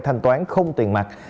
thanh toán không tiền mặt